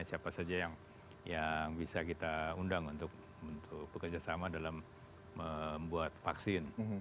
siapa saja yang bisa kita undang untuk bekerjasama dalam membuat vaksin